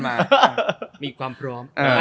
มีความพร้อม